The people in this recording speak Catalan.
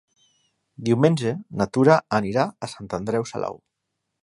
Diumenge na Tura anirà a Sant Andreu Salou.